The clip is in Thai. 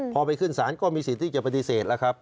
พอไปขึ้นศาลก็มีสิทธิ์ที่จะปฏิเสธแล้วครับ